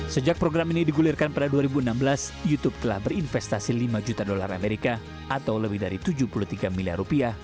sejak program ini digulirkan pada dua ribu enam belas youtube telah berinvestasi lima juta dolar amerika atau lebih dari tujuh puluh tiga miliar rupiah